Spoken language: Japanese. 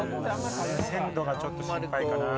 鮮度がちょっと心配かな。